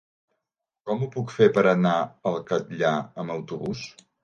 Com ho puc fer per anar al Catllar amb autobús?